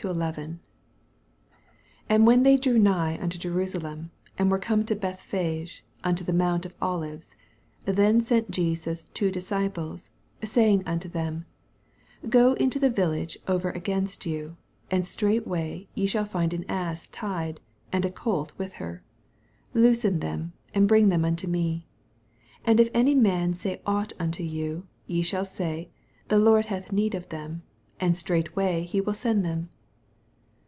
1—11. 1 And when they drew nigh unto Jerusalem, and were come to Beth phage, nnto the moant of Olives, then sent Jesus two diseiples, 2 Saying unto them, Go into the village over against you, and straight way ye shall find an ass tied, and a oolt with her : loose them, and bring them unto me. 8 And if any man say ought unto you, ye shall say. The Lord hath need of them; and straightway he will •end them.